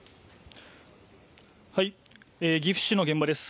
岐阜市の現場です。